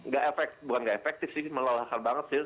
gak efektif bukan nggak efektif sih melelahkan banget sih